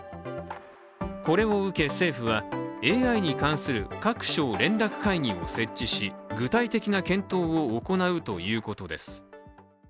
これを受け、政府はＡＩに関する各省連絡会議を設置し具体的な検討を行うということです。